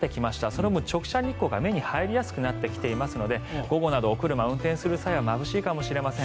それも直射日光が目に入りやすくなってきてますので午後などお車を運転する際はまぶしいかもしれません。